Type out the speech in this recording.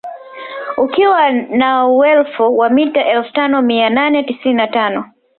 Ukiwa na urefu wa mita Elfu tano mia nane tisini na tano